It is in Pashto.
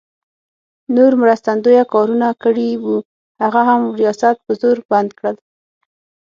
نور مرستندویه کارونه کړي وو، هغه هم ریاست په زور بند کړل.